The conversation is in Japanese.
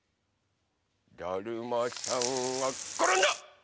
だるまさんがころんだ！